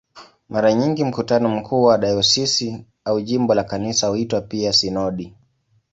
Mara nyingi mkutano mkuu wa dayosisi au wa jimbo la Kanisa huitwa pia "sinodi".